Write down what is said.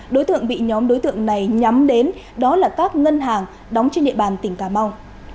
đối tượng bị nhóm đối tượng này nhắm đến đó là các ngân hàng đóng trên địa bàn tỉnh cà mau